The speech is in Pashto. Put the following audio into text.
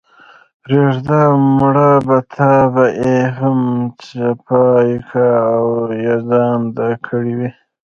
پرېږده مړه په تا به ئې هم څپياكه اوېزانده كړې وي۔